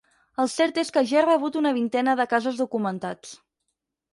El cert és que ja he rebut una vintena de casos documentats.